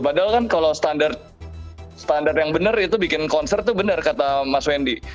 padahal kan kalau standar yang benar itu bikin konser itu benar kata mas wendy